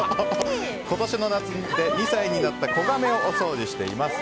今年の夏で２歳になった子ガメをお掃除しています。